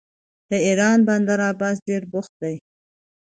د ایران بندر عباس ډیر بوخت دی.